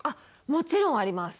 もちろんあります